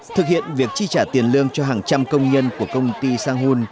thực hiện việc chi trả tiền lương cho hàng trăm công nhân của công ty sang hun